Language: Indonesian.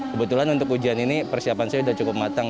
kebetulan untuk ujian ini persiapan saya sudah cukup matang